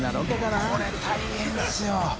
これ大変ですよ。